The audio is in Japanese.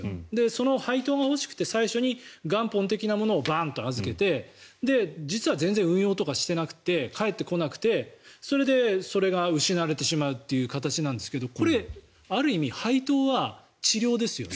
その配当が欲しくて最初に元本的なものをバンと預けて実は全然運用とかしてなくて返ってこなくてそれでそれが失われてしまうという形なんですがこれ、ある意味配当は治療ですよね。